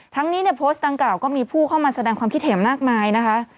ทั้งนี้เนี่ยโพสต์ดังกล่าก็มีผู้เข้ามาแสดงความคิดเห็นมากมายนะคะ